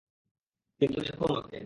কিন্তু, দেখো আমাকে।